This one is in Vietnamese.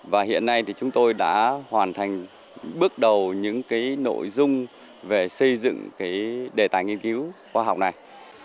và hiện nay thì chúng tôi đã hoàn thành bước đầu những cái nội dung về xây dựng cái đề tài nghiên cứu khoa học này